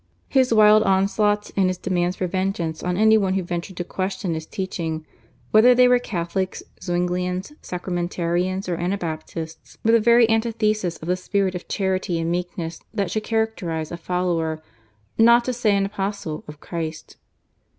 His wild onslaughts and his demands for vengeance on any one who ventured to question his teaching, whether they were Catholics, Zwinglians, Sacramentarians or Anabaptists, were the very antithesis of the spirit of charity and meekness that should characterise a follower, not to say an apostle, of Christ.